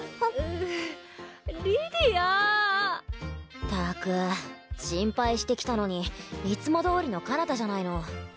ったく心配して来たのにいつもどおりのかなたじゃないの。